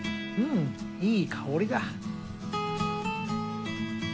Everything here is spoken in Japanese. うんいい香りだ。